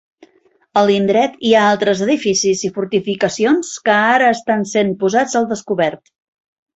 A l'indret hi ha d'altres edificis i fortificacions que ara estan sent posats al descobert.